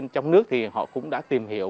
trong nước thì họ cũng đã tìm hiểu